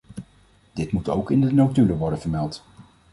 Dit moet ook in de notulen worden vermeld.